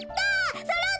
そろった！